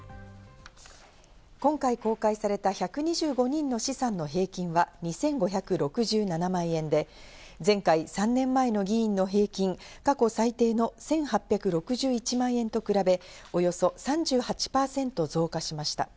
今回公開された１２５人の資産の平均は２５６７万円で前回３年前の議員の平均、過去最低の１８６１万円と比べ、およそ３８％増加しました。